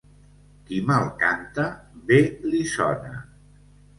Qui mal canta, bé li sona.